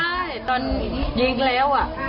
ใช่ตอนยิงแล้ว